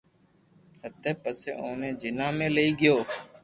ھتي پسي اوني جناح ۾ لئي گيو